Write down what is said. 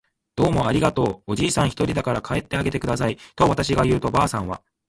「どうもありがとう。」おじいさんがひとりだから帰ってあげてください。」とわたしが言うと、ばあさんは